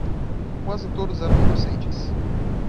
Quase todos eram inocentes.